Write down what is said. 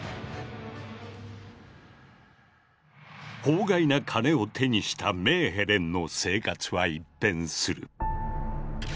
法外な金を手にしたメーヘレンの生活は一変する。